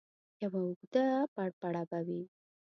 یوه اوږده پړپړه به وي.